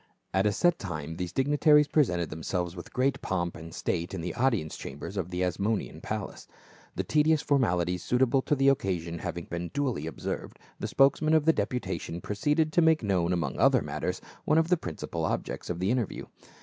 At a set time these dignitaries presented themselves with great pomp and state in the audience chamber of the Asmonean palace. The tedious formalities suita ble to the occasion having been duly observed, the spokesman of the deputation proceeded to make known among other matters one of the principal ob jects of the interview.